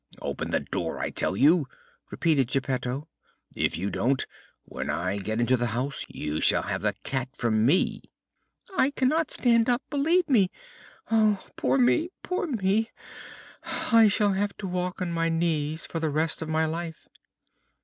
"Open the door, I tell you!" repeated Geppetto. "If you don't, when I get into the house you shall have the cat from me!" "I cannot stand up, believe me. Oh, poor me! poor me! I shall have to walk on my knees for the rest of my life!"